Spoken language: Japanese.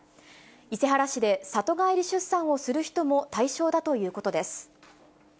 伊勢原市で里帰り出産をする人も対象だということです。